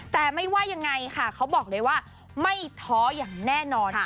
แต่ไม่ว่ายังไงค่ะเขาบอกเลยว่าไม่ท้ออย่างแน่นอน